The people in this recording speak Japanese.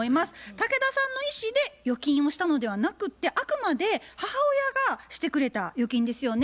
竹田さんの意思で預金をしたのではなくってあくまで母親がしてくれた預金ですよね。